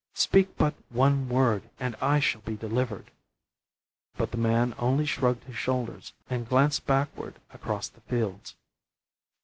Speak but one word and I shall be delivered." But the man only shrugged his shoulders and glanced backward across the fields.